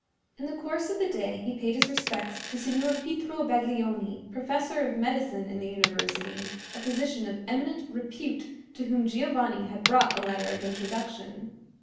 In the course of the day he paid his respects to Signor Pietro Baglioni, professor of medicine in the university, a physician of eminent repute to whom Giovanni had brought a letter of introduction.